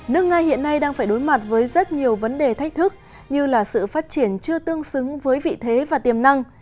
nước nga hiện nay đang phải đối mặt với rất nhiều vấn đề thách thức như là sự phát triển chưa tương xứng với vị thế và tiềm năng